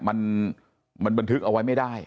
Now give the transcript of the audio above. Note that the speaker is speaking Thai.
มันบันทึกเอาไว้ไม่ได้